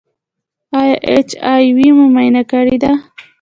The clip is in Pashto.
ایا ایچ آی وي مو معاینه کړی دی؟